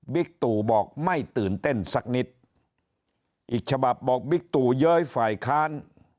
ตู่บอกไม่ตื่นเต้นสักนิดอีกฉบับบอกบิ๊กตู่เย้ยฝ่ายค้าน